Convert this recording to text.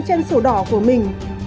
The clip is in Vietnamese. trên sổ đỏ của mình